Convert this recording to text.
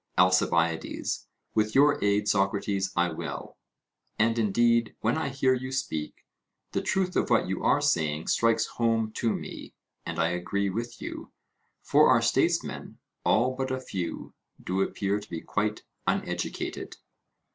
ALCIBIADES: With your aid, Socrates, I will. And indeed, when I hear you speak, the truth of what you are saying strikes home to me, and I agree with you, for our statesmen, all but a few, do appear to be quite uneducated.